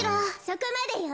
そこまでよ。